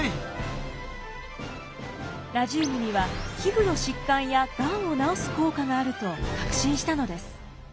ラジウムには皮膚の疾患やがんを治す効果があると確信したのです。